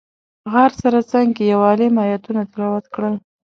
غار سره څنګ کې یو عالم ایتونه تلاوت کړل.